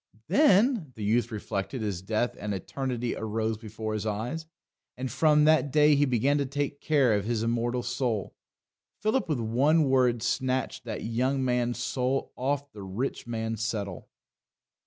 "Then," the youth reflected as death and eternity arose before his eyes, and from that day he began to take care of his immortal soul. Philip with one word snatched that young man's soul off The Rich Man's Settle.